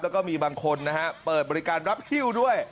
แล้วก็มีบางคนนะฮะเปิดบริการรับฮิ้วด้วย